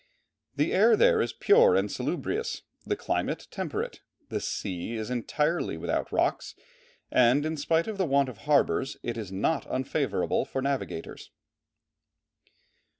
The air there is pure and salubrious, the climate temperate, the sea is entirely without rocks, and in spite of the want of harbours it is not unfavourable for navigators.